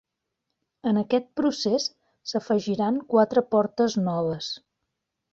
En aquest procés s'afegiran quatre portes noves.